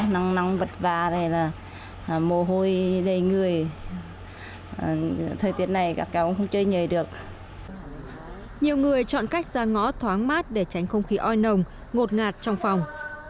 nhiều người chọn cách ra ngõ thoáng mát để tránh không khí oi nồng ngột ngạt trong phòng